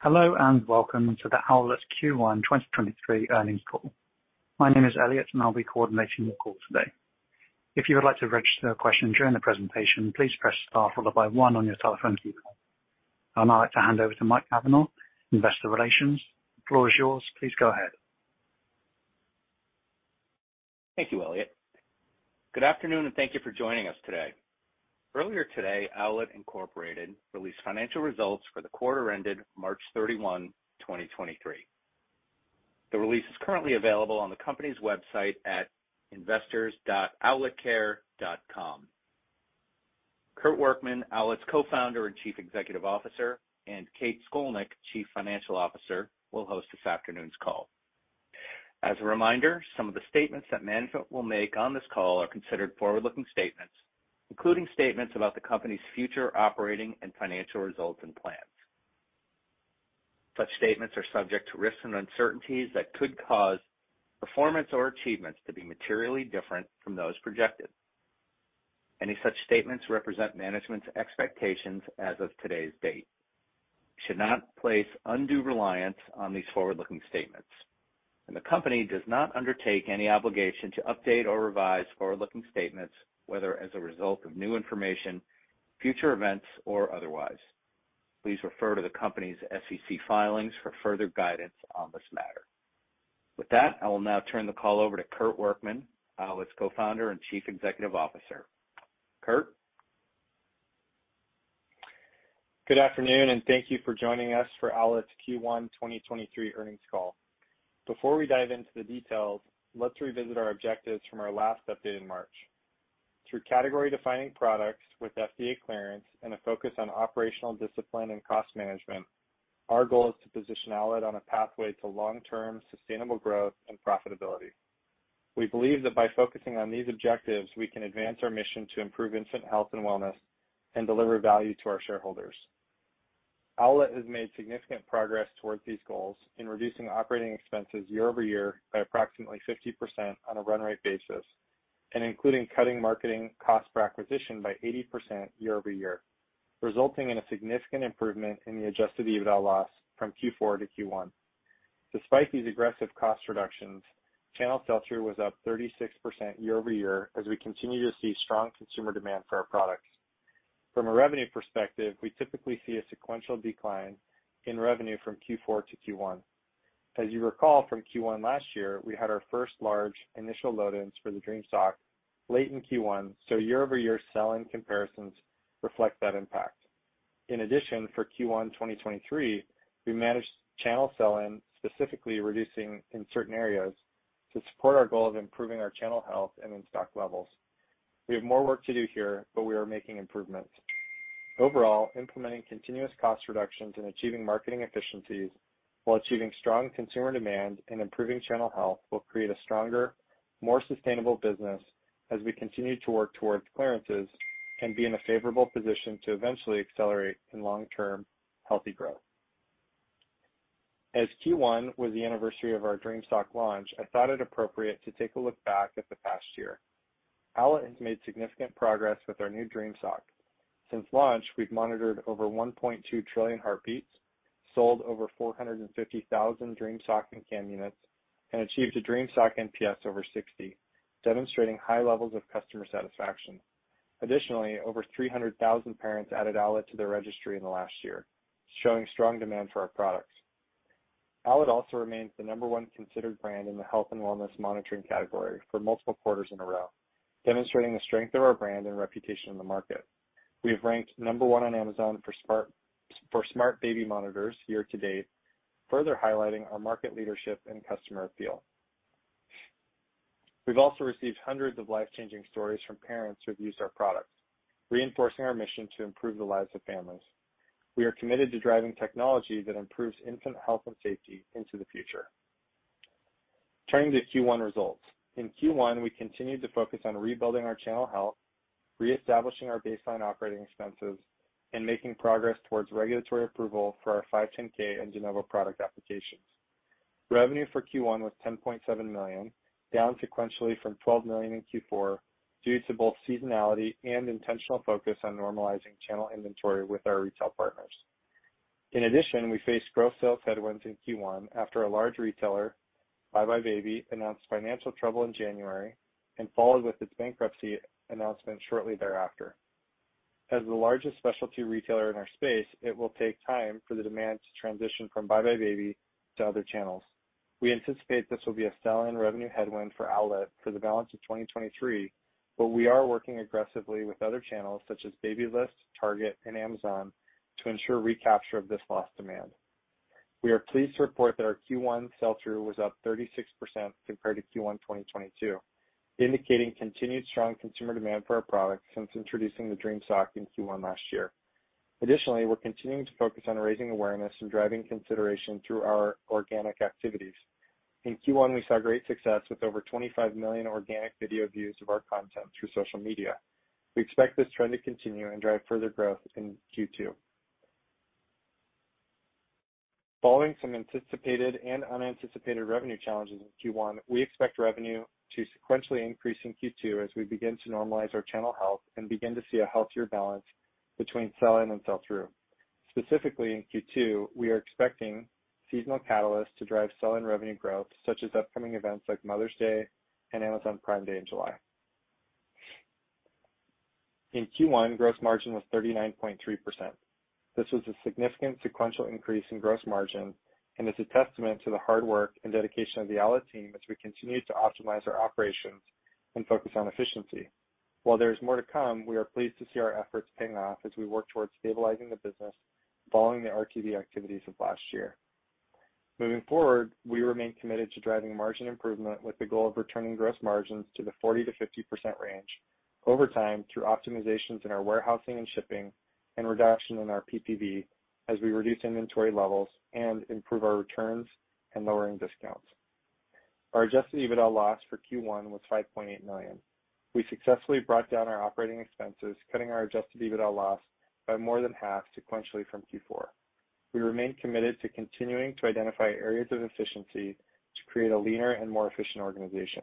Hello, and welcome to the Owlet's Q1 2023 Earnings Call. My name is Elliot, and I'll be coordinating your call today. If you would like to register a question during the presentation, please press star followed by one on your telephone keypad. I'd now like to hand over to Jay Gentzkow, Investor Relations. The floor is yours. Please go ahead. Thank you, Elliot. Good afternoon, and thank you for joining us today. Earlier today, Owlet, Inc. released financial results for the quarter ended March 31, 2023. The release is currently available on the company's website at investors.owletcare.com. Kurt Workman, Owlet's Co-Founder and Chief Executive Officer, and Kate Scolnick, Chief Financial Officer, will host this afternoon's call. As a reminder, some of the statements that management will make on this call are considered forward-looking statements, including statements about the company's future operating and financial results and plans. Such statements are subject to risks and uncertainties that could cause performance or achievements to be materially different from those projected. Any such statements represent management's expectations as of today's date. You should not place undue reliance on these forward-looking statements. The company does not undertake any obligation to update or revise forward-looking statements, whether as a result of new information, future events, or otherwise. Please refer to the company's SEC filings for further guidance on this matter. With that, I will now turn the call over to Kurt Workman, Owlet's Co-Founder and Chief Executive Officer. Kurt? Good afternoon, and thank you for joining us for Owlet's Q1 2023 earnings call. Before we dive into the details, let's revisit our objectives from our last update in March. Through category-defining products with FDA clearance and a focus on operational discipline and cost management, our goal is to position Owlet on a pathway to long-term sustainable growth and profitability. We believe that by focusing on these objectives, we can advance our mission to improve infant health and wellness and deliver value to our shareholders. Owlet has made significant progress towards these goals in reducing operating expenses year-over-year by approximately 50% on a run rate basis, and including cutting marketing Cost Per Acquisition by 80% year-over-year, resulting in a significant improvement in the Adjusted EBITDA loss from Q4 to Q1. Despite these aggressive cost reductions, channel sell-through was up 36% year-over-year as we continue to see strong consumer demand for our products. From a revenue perspective, we typically see a sequential decline in revenue from Q4 to Q1. As you recall from Q1 last year, we had our first large initial load-ins for the Dream Sock late in Q1, so year-over-year sell-in comparisons reflect that impact. In addition, for Q1 2023, we managed channel sell-in, specifically reducing in certain areas to support our goal of improving our channel health and in-stock levels. We have more work to do here, but we are making improvements. Overall, implementing continuous cost reductions and achieving marketing efficiencies while achieving strong consumer demand and improving channel health will create a stronger, more sustainable business as we continue to work towards clearances and be in a favorable position to eventually accelerate in long-term healthy growth. Q1 was the anniversary of our Dream Sock launch, I thought it appropriate to take a look back at the past year. Owlet has made significant progress with our new Dream Sock. Since launch, we've monitored over 1.2 trillion heartbeats, sold over 450,000 Dream Sock and cam units, and achieved a Dream Sock NPS over 60, demonstrating high levels of customer satisfaction. Over 300,000 parents added Owlet to their registry in the last year, showing strong demand for our products. Owlet also remains the number one considered brand in the health and wellness monitoring category for multiple quarters in a row, demonstrating the strength of our brand and reputation in the market. We have ranked number one on Amazon for smart baby monitors year to date, further highlighting our market leadership and customer appeal. We've also received hundreds of life-changing stories from parents who have used our products, reinforcing our mission to improve the lives of families. We are committed to driving technology that improves infant health and safety into the future. Turning to Q1 results. In Q1, we continued to focus on rebuilding our channel health, reestablishing our baseline operating expenses, and making progress towards regulatory approval for our 510(k) and De Novo product applications. Revenue for Q1 was $10.7 million, down sequentially from $12 million in Q4 due to both seasonality and intentional focus on normalizing channel inventory with our retail partners. We faced gross sales headwinds in Q1 after a large retailer, buybuy BABY, announced financial trouble in January and followed with its bankruptcy announcement shortly thereafter. As the largest specialty retailer in our space, it will take time for the demand to transition from buybuy BABY to other channels. We anticipate this will be a sell-in revenue headwind for Owlet for the balance of 2023. We are working aggressively with other channels such as Babylist, Target, and Amazon to ensure recapture of this lost demand. We are pleased to report that our Q1 sell-through was up 36% compared to Q1 2022, indicating continued strong consumer demand for our products since introducing the Dream Sock in Q1 last year. We're continuing to focus on raising awareness and driving consideration through our organic activities. In Q1, we saw great success with over 25 million organic video views of our content through social media. We expect this trend to continue and drive further growth in Q2. Following some anticipated and unanticipated revenue challenges in Q1, we expect revenue to sequentially increase in Q2 as we begin to normalize our channel health and begin to see a healthier balance between sell-in and sell-through. Specifically, in Q2, we are expecting seasonal catalysts to drive sell-in revenue growth, such as upcoming events like Mother's Day and Amazon Prime Day in July. In Q1, gross margin was 39.3%. This was a significant sequential increase in gross margin and is a testament to the hard work and dedication of the Owlet team as we continue to optimize our operations and focus on efficiency. While there is more to come, we are pleased to see our efforts paying off as we work towards stabilizing the business following the RTD activities of last year. Moving forward, we remain committed to driving margin improvement with the goal of returning gross margins to the 40%-50% range over time through optimizations in our warehousing and shipping and reduction in our PPV as we reduce inventory levels and improve our returns and lowering discounts. Our Adjusted EBITDA loss for Q1 was $5.8 million. We successfully brought down our operating expenses, cutting our Adjusted EBITDA loss by more than half sequentially from Q4. We remain committed to continuing to identify areas of efficiency to create a leaner and more efficient organization.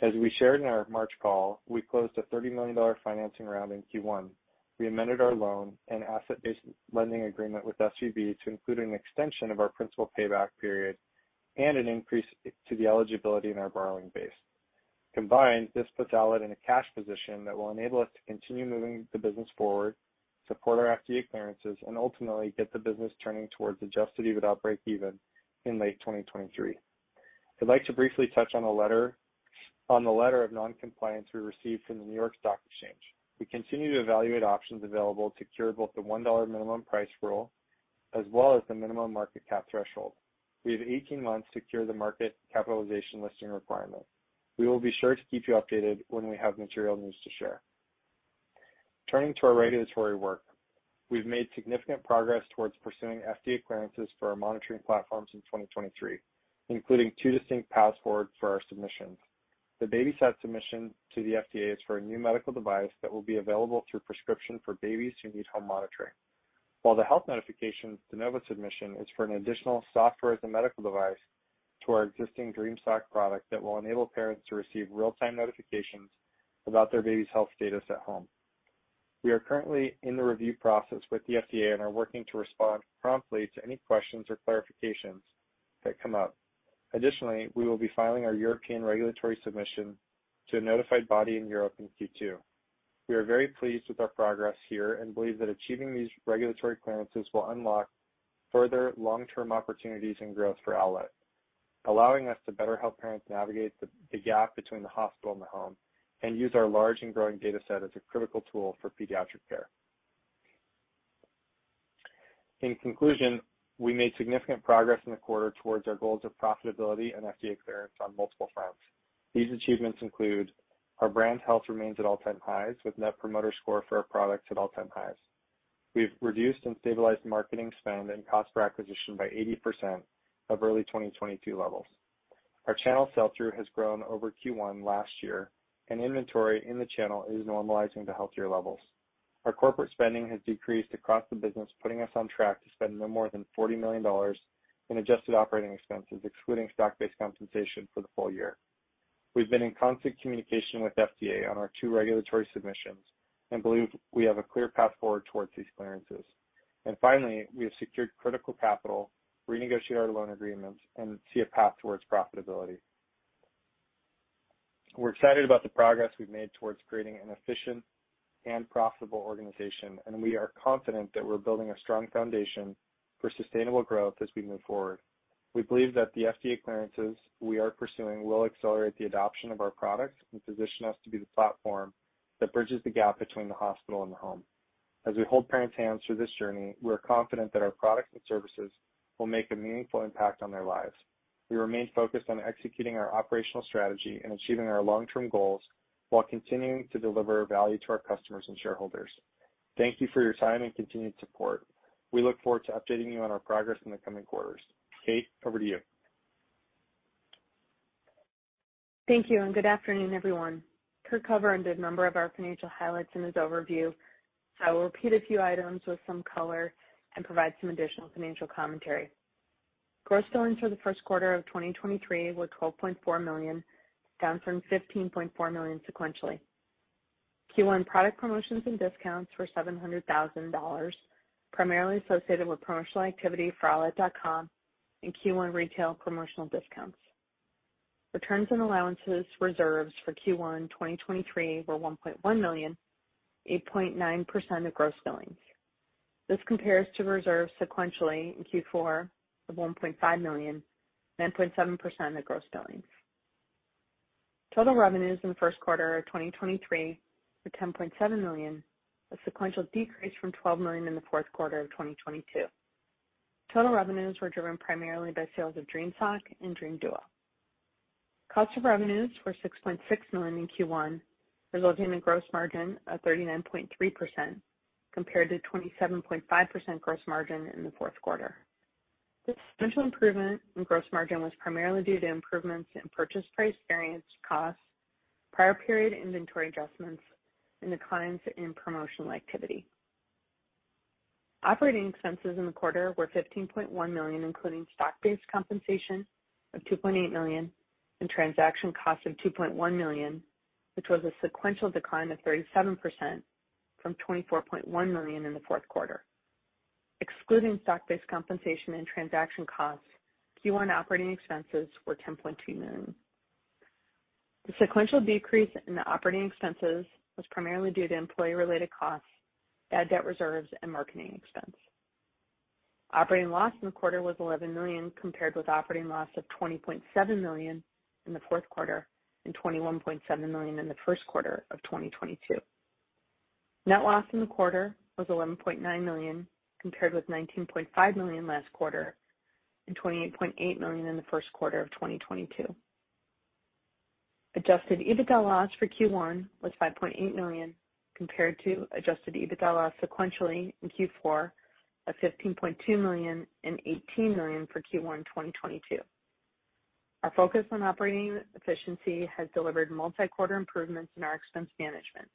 As we shared in our March call, we closed a $30 million financing round in Q1. We amended our loan and asset-based lending agreement with SVB to include an extension of our principal payback period and an increase to the eligibility in our borrowing base. Combined, this puts Owlet in a cash position that will enable us to continue moving the business forward, support our FDA clearances, and ultimately get the business turning towards Adjusted EBITDA break even in late 2023. I'd like to briefly touch on the letter of non-compliance we received from the New York Stock Exchange. We continue to evaluate options available to cure both the $1 minimum price rule as well as the minimum market cap threshold. We have 18 months to cure the market capitalization listing requirement. We will be sure to keep you updated when we have material news to share. Turning to our regulatory work. We've made significant progress towards pursuing FDA clearances for our monitoring platforms in 2023, including two distinct paths forward for our submissions. The BabySat submission to the FDA is for a new medical device that will be available through prescription for babies who need home monitoring. The health notification De Novo submission is for an additional Software as a Medical Device to our existing Dream Sock product that will enable parents to receive real-time notifications about their baby's health status at home. We are currently in the review process with the FDA and are working to respond promptly to any questions or clarifications that come up. Additionally, we will be filing our European regulatory submission to a notified body in Europe in Q2. We are very pleased with our progress here and believe that achieving these regulatory clearances will unlock further long-term opportunities and growth for Owlet, allowing us to better help parents navigate the gap between the hospital and the home, and use our large and growing data set as a critical tool for pediatric care. In conclusion, we made significant progress in the quarter towards our goals of profitability and FDA clearance on multiple fronts. These achievements include our brand health remains at all-time highs with Net Promoter Score for our products at all-time highs. We've reduced and stabilized marketing spend and Cost Per Acquisition by 80% of early 2022 levels. Our channel sell-through has grown over Q1 last year, and inventory in the channel is normalizing to healthier levels. Our corporate spending has decreased across the business, putting us on track to spend no more than $40 million in adjusted operating expenses, excluding stock-based compensation for the full year. We've been in constant communication with FDA on our two regulatory submissions and believe we have a clear path forward towards these clearances. Finally, we have secured critical capital, renegotiated our loan agreements, and see a path towards profitability. We're excited about the progress we've made towards creating an efficient and profitable organization, and we are confident that we're building a strong foundation for sustainable growth as we move forward. We believe that the FDA clearances we are pursuing will accelerate the adoption of our products and position us to be the platform that bridges the gap between the hospital and the home. As we hold parents' hands through this journey, we are confident that our products and services will make a meaningful impact on their lives. We remain focused on executing our operational strategy and achieving our long-term goals while continuing to deliver value to our customers and shareholders. Thank you for your time and continued support. We look forward to updating you on our progress in the coming quarters. Kate, over to you. Thank you, good afternoon, everyone. Kurt covered a number of our financial highlights in his overview. I will repeat a few items with some color and provide some additional financial commentary. Gross billings for the first quarter of 2023 were $12.4 million, down from $15.4 million sequentially. Q1 product promotions and discounts were $700,000, primarily associated with promotional activity for Owlet.com and Q1 retail promotional discounts. Returns and allowances reserves for Q1 2023 were $1.1 million, 8.9% of gross billings. This compares to reserves sequentially in Q4 of $1.5 million, 9.7% of gross billings. Total revenues in the first quarter of 2023 were $10.7 million, a sequential decrease from $12 million in the fourth quarter of 2022. Total revenues were driven primarily by sales of Dream Sock and Dream Duo. Cost of revenues were $6.6 million in Q1, resulting in gross margin of 39.3% compared to 27.5% gross margin in the fourth quarter. This sequential improvement in gross margin was primarily due to improvements in purchase price variance costs prior period inventory adjustments in the declines in promotional activity. Operating expenses in the quarter were $15.1 million, including stock-based compensation of $2.8 million and transaction costs of $2.1 million, which was a sequential decline of 37% from $24.1 million in the fourth quarter. Excluding stock-based compensation and transaction costs, Q1 operating expenses were $10.2 million. The sequential decrease in the operating expenses was primarily due to employee-related costs, bad debt reserves, and marketing expense. Operating loss in the quarter was $11 million, compared with operating loss of $20.7 million in the fourth quarter and $21.7 million in the first quarter of 2022. Net loss in the quarter was $11.9 million, compared with $19.5 million last quarter and $28.8 million in the first quarter of 2022. Adjusted EBITDA loss for Q1 was $5.8 million compared to Adjusted EBITDA loss sequentially in Q4 of $15.2 million and $18 million for Q1 2022. Our focus on operating efficiency has delivered multi-quarter improvements in our expense management.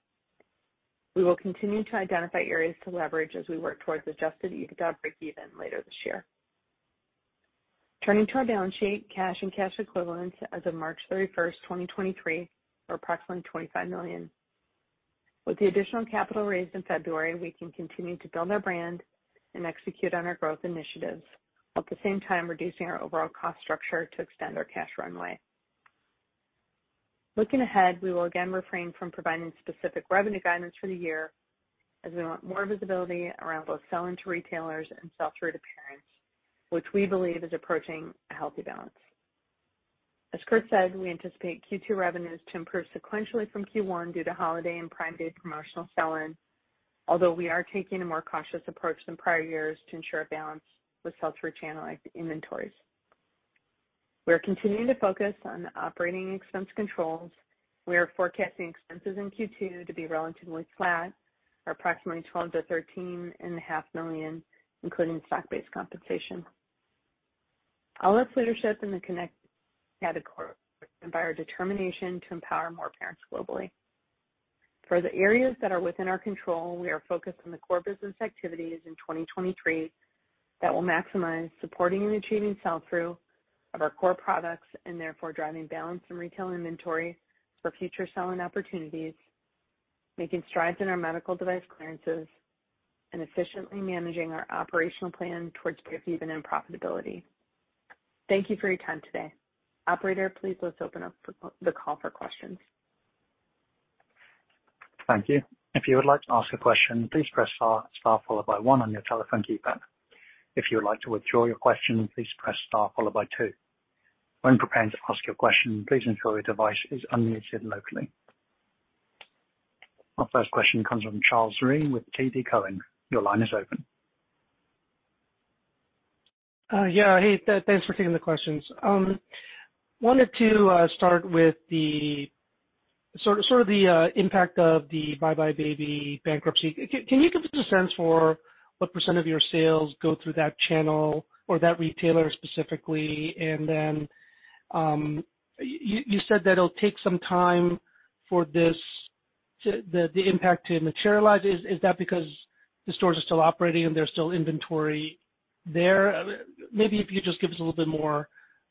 We will continue to identify areas to leverage as we work towards Adjusted EBITDA breakeven later this year. Turning to our balance sheet, cash and cash equivalents as of March 31st, 2023 are approximately $25 million. With the additional capital raised in February, we can continue to build our brand and execute on our growth initiatives, while at the same time reducing our overall cost structure to extend our cash runway. Looking ahead, we will again refrain from providing specific revenue guidance for the year as we want more visibility around both sell into retailers and sell-through to parents, which we believe is approaching a healthy balance. As Kurt said, we anticipate Q2 revenues to improve sequentially from Q1 due to holiday and Prime Day promotional sell-in, although we are taking a more cautious approach than prior years to ensure a balance with sell-through channel inventories. We are continuing to focus on operating expense controls. We are forecasting expenses in Q2 to be relatively flat or approximately $12 million-$13.5 million, including stock-based compensation. Owlet leadership in the connect category and by our determination to empower more parents globally. For the areas that are within our control, we are focused on the core business activities in 2023 that will maximize supporting and achieving sell-through of our core products and therefore driving balance in retail inventory for future sell-in opportunities, making strides in our medical device clearances, and efficiently managing our operational plan towards breakeven and profitability. Thank you for your time today. Operator, please let's open up the call for questions. Thank you. If you would like to ask a question, please press star followed by one on your telephone keypad. If you would like to withdraw your question, please press star followed by two. When preparing to ask your question, please ensure your device is unmuted locally. Our first question comes from Charles Rhyee with TD Cowen. Your line is open. Yeah. Hey, thanks for taking the questions. wanted to start with the sort of the impact of the buybuy BABY bankruptcy. Can you give us a sense for what percent of your sales go through that channel or that retailer specifically? Then you said that it'll take some time for this to... the impact to materialize. Is that because the stores are still operating and there's still inventory there? Maybe if you just give us a little bit more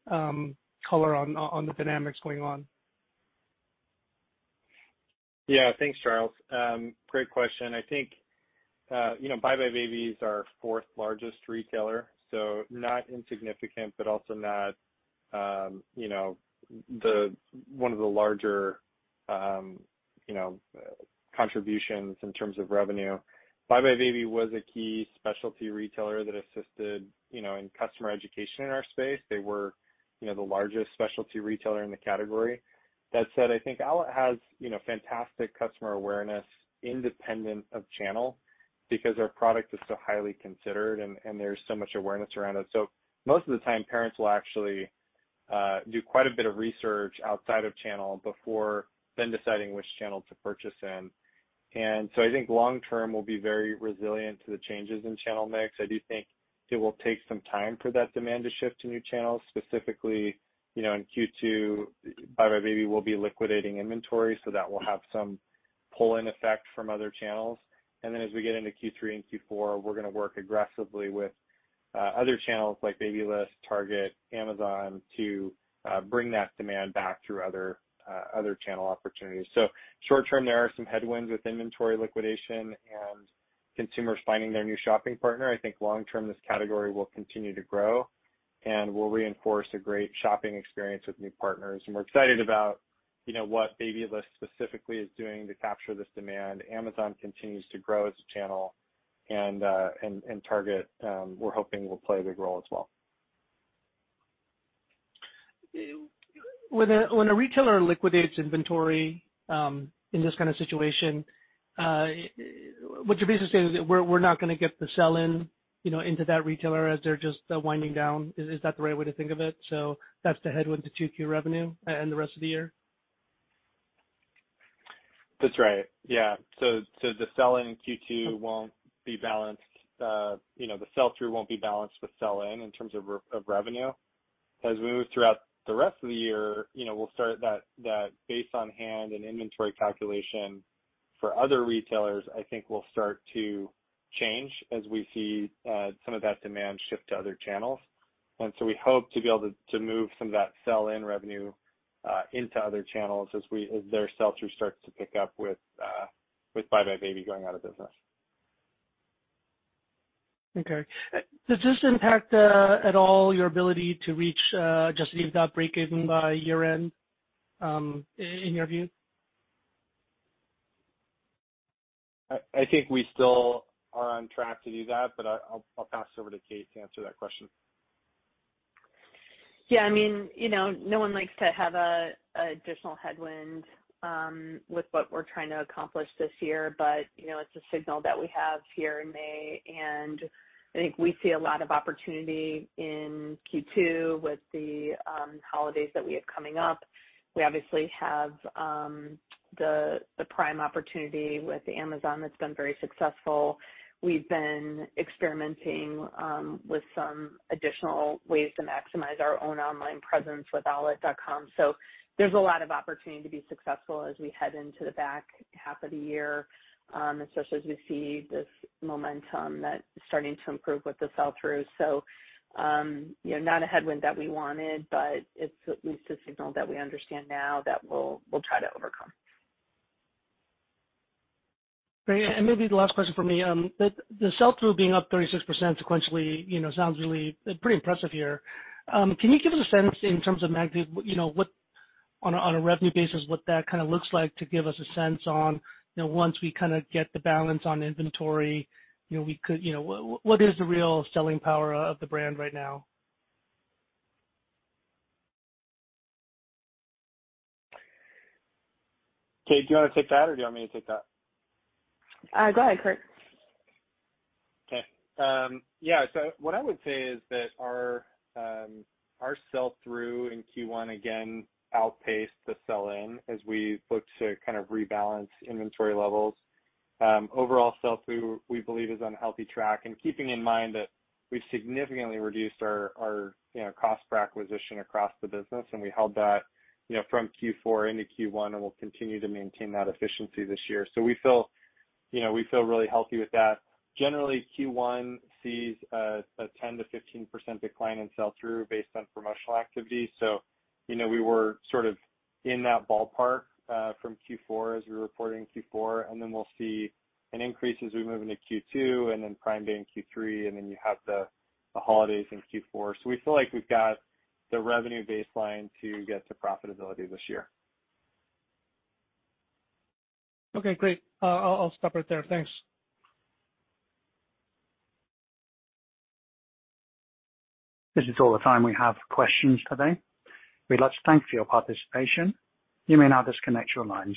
color on the dynamics going on. Yeah. Thanks, Charles. great question. I think, you know, buybuy BABY is our fourth largest retailer, so not insignificant, but also not, you know, one of the larger, you know, contributions in terms of revenue. buybuy BABY was a key specialty retailer that assisted, you know, in customer education in our space. They were, you know, the largest specialty retailer in the category. That said, I think Owlet has, you know, fantastic customer awareness independent of channel because our product is so highly considered and there's so much awareness around it. Most of the time, parents will actually do quite a bit of research outside of channel before then deciding which channel to purchase in. I think long term we'll be very resilient to the changes in channel mix. I do think it will take some time for that demand to shift to new channels. Specifically, you know, in Q2, buybuy BABY will be liquidating inventory, so that will have some pull-in effect from other channels. As we get into Q3 and Q4, we're gonna work aggressively with other channels like Babylist, Target, Amazon to bring that demand back through other channel opportunities. Short term, there are some headwinds with inventory liquidation and consumers finding their new shopping partner. I think long term, this category will continue to grow, and we'll reinforce a great shopping experience with new partners. We're excited about, you know, what Babylist specifically is doing to capture this demand. Amazon continues to grow as a channel, Target, we're hoping will play a big role as well. When a retailer liquidates inventory, in this kind of situation, what you're basically saying is that we're not gonna get the sell-in, you know, into that retailer as they're just winding down. Is that the right way to think of it? That's the headwind to two key revenue and the rest of the year? That's right. Yeah. The sell-in in Q2 won't be balanced, you know, the sell-through won't be balanced with sell-in in terms of revenue. As we move throughout the rest of the year, you know, we'll start that base on hand and inventory calculation for other retailers, I think will start to change as we see, some of that demand shift to other channels. We hope to be able to move some of that sell-in revenue, into other channels as their sell-through starts to pick up with buybuy BABY going out of business. Okay. Does this impact at all your ability to reach Adjusted EBITDA breakeven by year-end, in your view? I think we still are on track to do that, but I'll pass it over to Kate to answer that question. Yeah, I mean, you know, no one likes to have a additional headwind with what we're trying to accomplish this year. You know, it's a signal that we have here in May, and I think we see a lot of opportunity in Q2 with the holidays that we have coming up. We obviously have the Prime opportunity with Amazon that's been very successful. We've been experimenting with some additional ways to maximize our own online presence with Owlet.com. There's a lot of opportunity to be successful as we head into the back half of the year, especially as we see this momentum that's starting to improve with the sell-through. You know, not a headwind that we wanted, but it's at least a signal that we understand now that we'll try to overcome. Great. Maybe the last question for me. The sell-through being up 36% sequentially, you know, sounds really pretty impressive here. Can you give us a sense in terms of magnitude, you know, on a revenue basis, what that kinda looks like to give us a sense on, you know, once we kinda get the balance on inventory, you know, we could, you know... what is the real selling power of the brand right now? Kate, do you wanna takepthat or do you want me to take that? Go ahead, Kurt. What I would say is that our sell-through in Q1 again outpaced the sell-in as we look to kind of rebalance inventory levels. Overall sell-through, we believe is on a healthy track. Keeping in mind that we've significantly reduced our, you know, Cost Per Acquisition across the business, and we held that, you know, from Q4 into Q1, and we'll continue to maintain that efficiency this year. We feel, you know, we feel really healthy with that. Generally, Q1 sees a 10%-15% decline in sell-through based on promotional activity. You know, we were sort of in that ballpark from Q4 as we were reporting Q4, and then we'll see an increase as we move into Q2, and then Prime Day in Q3, and then you have the holidays in Q4. We feel like we've got the revenue baseline to get to profitability this year. Okay, great. I'll stop right there. Thanks This is all the time we have for questions today. We'd like to thank you for your participation. You may now disconnect your lines.